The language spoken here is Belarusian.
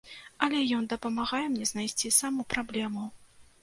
Але ён дапамагае мне знайсці саму праблему.